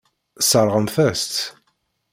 Tesseṛɣemt-as-t.